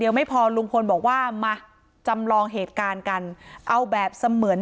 ไม่พอลุงพลบอกว่ามาจำลองเหตุการณ์กันเอาแบบเสมือน